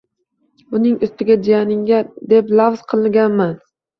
Buning ustiga jiyaningga deb lavz qilganman.